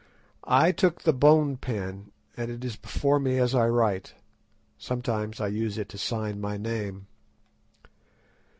I took the bone pen, and it is before me as I write—sometimes I use it to sign my name.